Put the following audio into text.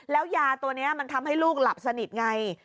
แล้วยาตัวนี้มันทำให้ลูกหลับสนิทไง